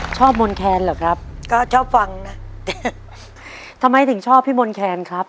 มนแคนเหรอครับก็ชอบฟังนะทำไมถึงชอบพี่มนต์แคนครับ